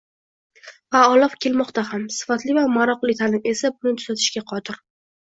va olib kelmoqda ham. Sifatli va maroqli ta’lim esa buni tuzatishga qodir.